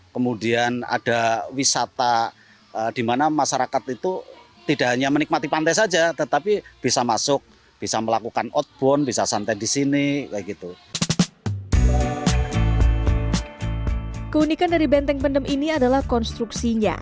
keunikan dari benteng pendem ini adalah konstruksinya